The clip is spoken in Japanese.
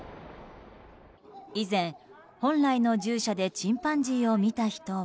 以前、本来の獣舎でチンパンジーを見た人は。